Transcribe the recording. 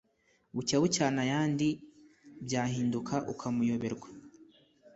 Bucya bucyana ayandi byahinduka ukamuyoberwa